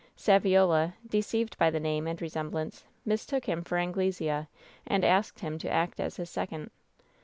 Saviola, deceived by the name and resemblance, mistook 256 WHEN SHADOWS DIE him for An^lesea, and asked him to act as his second.